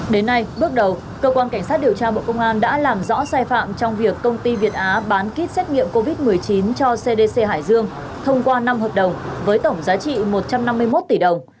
đến nay bước đầu cơ quan cảnh sát điều tra bộ công an đã làm rõ sai phạm trong việc công ty việt á bán kit xét nghiệm covid một mươi chín cho cdc hải dương thông qua năm hợp đồng với tổng giá trị một trăm năm mươi một tỷ đồng